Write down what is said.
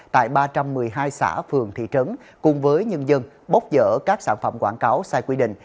tại ba trăm một mươi hai xã phường thị trấn cùng với nhân dân bóc dỡ các sản phẩm quảng cáo sai quy định